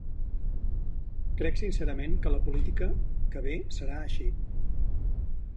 Crec sincerament que la política que ve serà així.